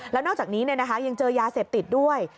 แล้วนอกจากนี้ยังเจอยาเสพติดด้วย